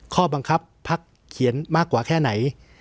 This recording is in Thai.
ข้อบังคับพักเขียนมากกว่าแค่ไหน